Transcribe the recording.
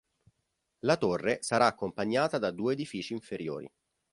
La torre sarà accompagnata da due edifici inferiori.